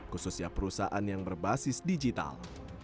khususnya perusahaan yang berbasis digital